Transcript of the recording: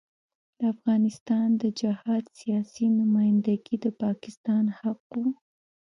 د افغانستان د جهاد سیاسي نمايندګي د پاکستان حق وو.